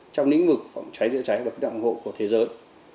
trong lĩnh vực phòng cháy chữa cháy và kiếm nản hộ của thế giới